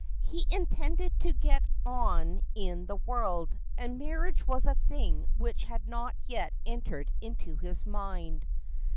He intended to get on in the world, and marriage was a thing which had not yet entered into his mind.